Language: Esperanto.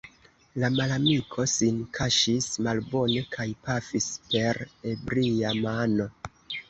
La malamiko sin kaŝis malbone, kaj pafis per ebria mano.